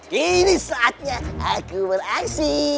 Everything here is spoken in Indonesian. kini saatnya aku beraksi